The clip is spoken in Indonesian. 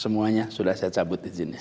semuanya sudah saya cabut izinnya